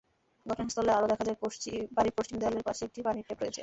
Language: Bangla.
ঘটনাস্থলে আরও দেখা যায়, বাড়ির পশ্চিম দেয়ালের পাশে একটি পানির ট্যাপ রয়েছে।